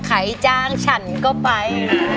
ใครจ้างฉันก็ไป